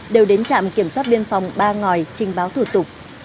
đều đến trạm kiểm soát biên phòng ba ngòi trình báo thủ tục